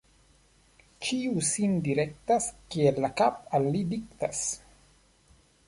Ĉiu sin direktas, kiel la kap' al li diktas.